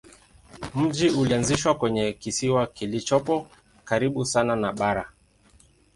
Mji ulianzishwa kwenye kisiwa kilichopo karibu sana na bara.